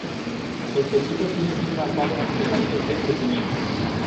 El tejido tiene bien marcados sus anillos de crecimiento.